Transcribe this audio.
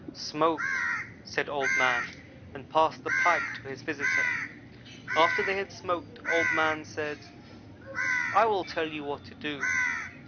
"'Smoke,' said Old man, and passed the pipe to his visitor. After they had smoked Old man said: "'I will tell you what to do.